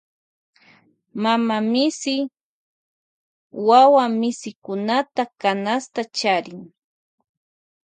Mama misi charin wuwa misikunata canasta.